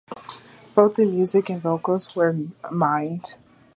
Both the music and vocals were mimed.